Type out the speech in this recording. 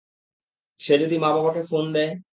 সে যদি মা-বাবাকে ফোন দেয়?